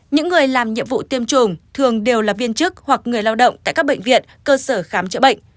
những người làm nhiệm vụ tiêm chủng thường đều là viên chức hoặc người lao động tại các bệnh viện cơ sở khám chữa bệnh